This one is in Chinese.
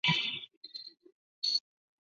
电影的部份灵感是来自小说红字。